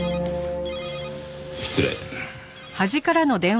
失礼。